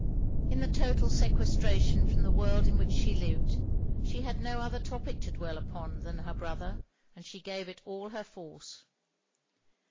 In the total sequestration from the world in which she lived, she had no other topic to dwell upon than her brother, and she gave it all its force.